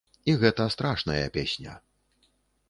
І гэта страшная песня.